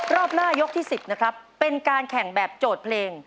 รอบหน้ายกที่๑๐นะครับเป็นการแข่งแบบโจทย์เพลง